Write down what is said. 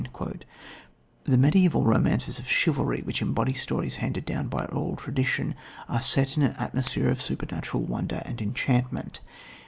The mediaeval romances of chivalry, which embody stories handed down by oral tradition, are set in an atmosphere of supernatural wonder and enchantment.